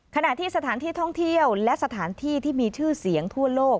ขณะที่สถานที่ท่องเที่ยวและสถานที่ที่มีชื่อเสียงทั่วโลก